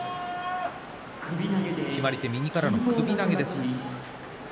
決まり手は右からの首投げです。